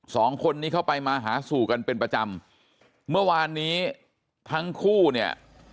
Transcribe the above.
สองคนนี้เข้าไปมาหาสู่กันเป็นประจำเมื่อวานนี้ทั้งคู่เนี่ย